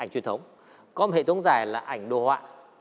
có một hệ thống giải là ảnh đồ họa